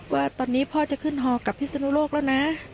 ว่าตอนนี้พ่อจะขึ้นฮอกับพิศนุโลกแล้วนะ